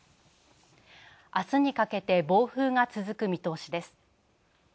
明日にかけて暴風が続く見通しです。